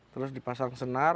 terus dipasang senar